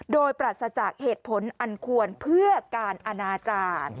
โดยปรัสจากเหตุผลอันควรเพื่อการอนาจารย์